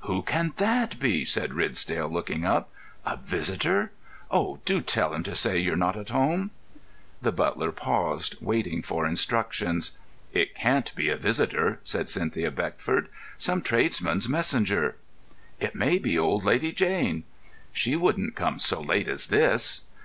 "Who can that be?" said Ridsdale, looking up. "A visitor! Oh, do tell him to say you're not at home." The butler paused, waiting for instructions. "It can't be a visitor," said Cynthia Beckford. "Some tradesman's messenger!" "It may be old Lady Jane." "She wouldn't come so late as this."